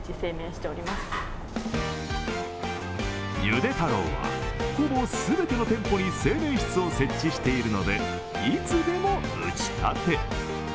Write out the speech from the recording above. ゆで太郎は、ほぼ全ての店舗に製麺室を設置しているのでいつでも打ち立て。